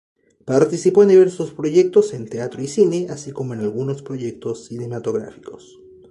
Participó en diversos proyectos, en teatro y cine, así como en algunos proyectos cinematográficos.